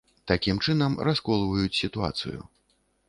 Такім чынам расколваюць сітуацыю.